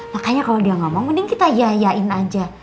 makanya kalau dia ngomong mending kita yayain aja